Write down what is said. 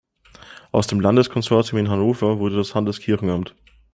Aus dem Landeskonsistorium in Hannover wurde das Landeskirchenamt.